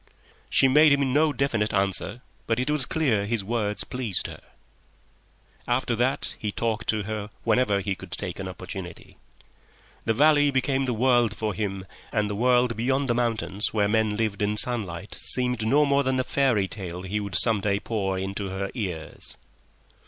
She made him no definite answer, but it was clear his words pleased her. After that he talked to her whenever he could take an opportunity. The valley became the world for him, and the world beyond the mountains where men lived by day seemed no more than a fairy tale he would some day pour into her ears.